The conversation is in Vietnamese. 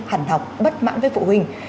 hẳn học bất mãn với phụ huynh